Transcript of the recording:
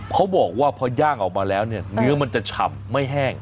ก็พอย่างออกมาแล้วเนื้อมันจะชำไม่แห้ง